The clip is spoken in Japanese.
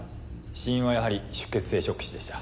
死因はやはり出血性ショック死でした。